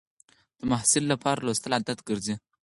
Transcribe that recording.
د محصل لپاره لوستل عادت ګرځي.